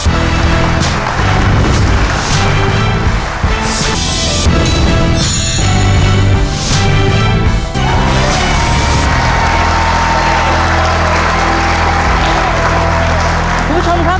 คุณผู้ชมครับ